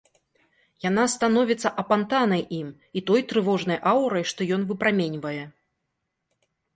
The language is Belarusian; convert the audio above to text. Яна становіцца апантанай ім і той трывожнай аўрай, што ён выпраменьвае.